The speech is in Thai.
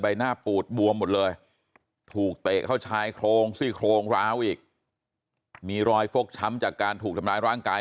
หน้าปูดบวมหมดเลยถูกเตะเข้าชายโครงซี่โครงร้าวอีกมีรอยฟกช้ำจากการถูกทำร้ายร่างกาย